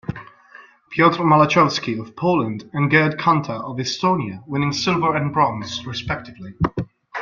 Piotr Malachowski of Poland and Gerd Kanter of Estonia winning silver and bronze, respectively.